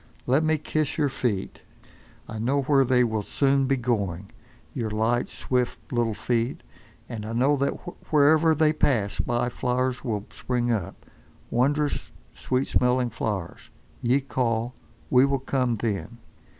Let me kiss your feet. I know where they will soon be going, your light, swift little feet. And I know that wherever they pass by flowers will spring up—wondrous, sweet smelling flowers. Ye call. We will come, then.